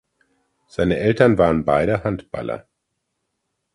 Seine Eltern waren beide Handballer.